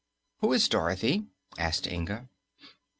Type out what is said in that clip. "Who is Dorothy?" asked Inga.